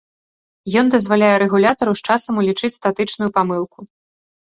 Ён дазваляе рэгулятару з часам улічыць статычную памылку.